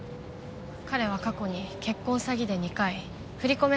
彼は過去に結婚詐欺で２回振り込め